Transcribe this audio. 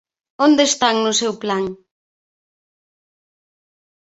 ¿Onde están no seu plan?